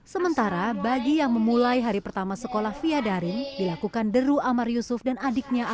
sementara bagi yang memulai hari pertama sekolah via daring dilakukan deru amar yusuf dan adiknya